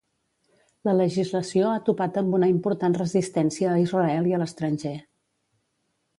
La legislació ha topat amb una important resistència a Israel i a l'estranger.